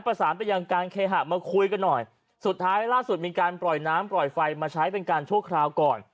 ประสานไปยังการเคหะมาคุยกันหน่อยสุดท้ายล่าสุดมีการปล่อยน้ำปล่อยไฟมาใช้เป็นการชั่วคราวก่อน